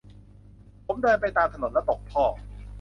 ผมเดินไปตามถนน แล้วตกท่อ